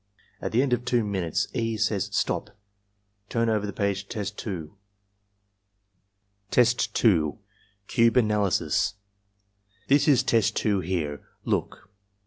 At the end of 2 minutes E. says, "Stop! Turn over the page to Test 2." Test 2. — Cube Analysis "This is Test 2 here. Look."